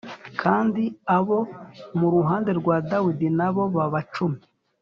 kandi abo mu ruhande rwa Dawidi na bo baba cumi